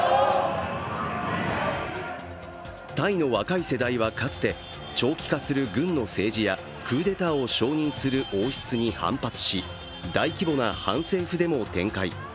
タイの若い世代はかつて、長期化する軍の政治やクーデターを承認する王室に反発し、大規模な反政府デモを展開。